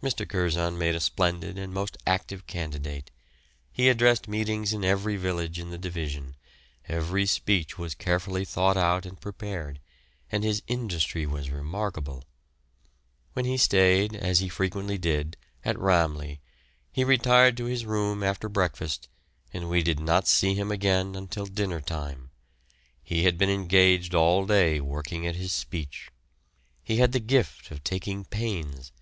Mr. Curzon made a splendid and most active candidate. He addressed meetings in every village in the division, every speech was carefully thought out and prepared, and his industry was remarkable. When he stayed, as he frequently did, at "Ramleh," he retired to his room after breakfast and we did not see him again until dinner time; he had been engaged all day working at his speech. He had the gift of taking pains.